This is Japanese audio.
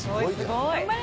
頑張れ！